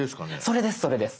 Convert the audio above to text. それですそれです！